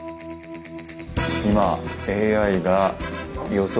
今ＡＩが予測